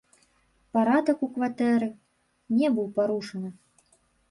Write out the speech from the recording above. Парадак у кватэры не быў парушаны.